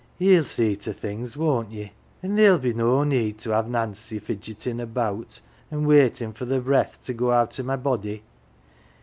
" Ye'll see to things, won't ye ? An' theer'll be no need to have Nancy fidgetin' about, an' waitin' for the breath to go out of my body.